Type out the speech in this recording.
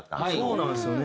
そうなんですよね。